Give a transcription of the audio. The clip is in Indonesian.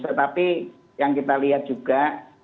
tetapi yang kita lihat juga